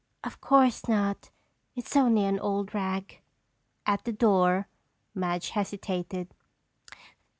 "Of course not. It's only an old rag." At the door, Madge hesitated.